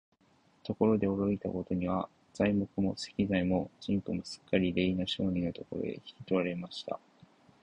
ところが、驚いたことには、材木も石材も人夫もすっかりれいの商人のところへ取られてしまいました。タラス王は価を引き上げました。